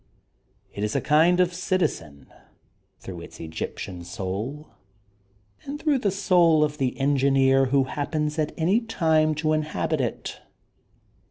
It is a kind of citizen, through its Egyptian sonl^ and through the soul of the engineer who hap pens at any time to inhabit it.